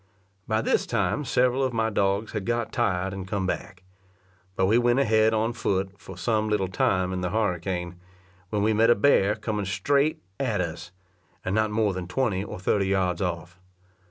By this time several of my dogs had got tired and come back; but we went ahead on foot for some little time in the harricane, when we met a bear coming straight to us, and not more than twenty or thirty yards off.